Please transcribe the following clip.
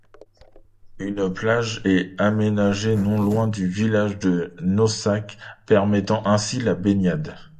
Une plage est aménagée non loin du village de Naussac, permettant ainsi la baignade.